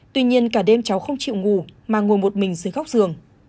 tuy nhiên cả đêm cháu không chịu ngủ mà ngồi một mình dưới góc giường